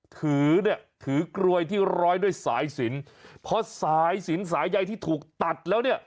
ถือเนี่ยถือกรวยที่ร้อยด้วยสายสินเพราะสายสินสายใยที่ถูกตัดแล้วเนี่ย